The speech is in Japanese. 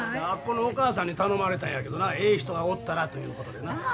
あっこのおかあさんに頼まれたんやけどなええ人がおったらということでな。